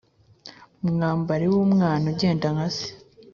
Umwambari w’umwana agenda nka se.